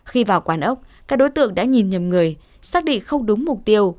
khi vào quán ốc các đối tượng đã nhìn nhầm người xác định không đúng mục tiêu